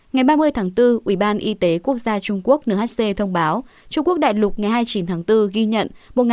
ngày ba mươi tháng bốn ubnd trung quốc nhc thông báo trung quốc đại lục ngày hai mươi chín tháng bốn ghi nhận